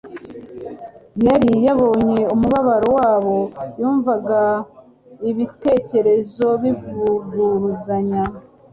Yari yabonye umubabaro wabo; yumvaga ibitekerezo bivuguruzanya